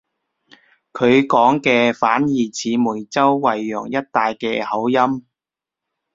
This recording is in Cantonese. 佢講嘅反而似梅州惠陽一帶嘅口音